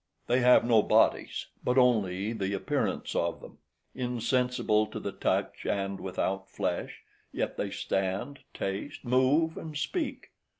They have no bodies, but only the appearance of them, insensible to the touch, and without flesh, yet they stand, taste, move, and speak.